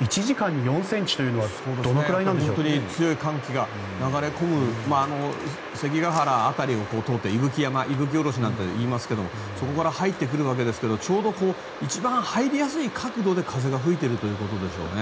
１時間に４ｃｍというのは本当に強い寒気が流れ込む関ケ原辺りを通って伊吹山、伊吹おろしなんて言いますがそこから入ってくるわけですがちょうど一番入りやすい角度で風が吹いているということでしょうね。